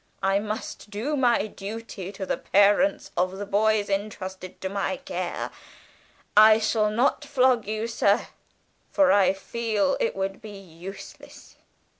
I must do my duty to the parents of the boys entrusted to my care. I shall not flog you, sir, for I feel it would be useless.